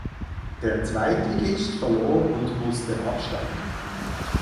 Der Zweitligist verlor und musste absteigen.